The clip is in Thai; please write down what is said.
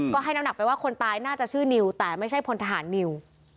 ก็ให้น้ำหนักไปว่าคนตายน่าจะชื่อนิวแต่ไม่ใช่พลทหารนิว